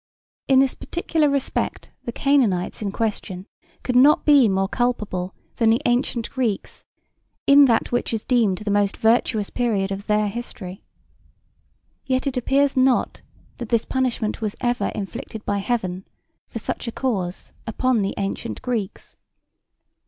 In this particular respect the Canaanites in question could not be more culpable than the antient Greeks in that which is deemed the most virtuous period of their history. Yet it appears not that this punishment was ever inflicted by heaven for such a cause upon the antient Greeks.